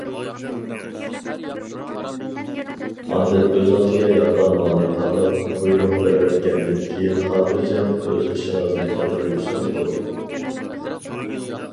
ئاندىن ئۆزىڭىزگە ياققان مالنى تاللاپ بۇيرۇق بېرىۋەتكەندىن كېيىن خاتىرجەم ئۆز ئىشىڭىزنى قىلىپ يۈرسىڭىز بولىدۇ.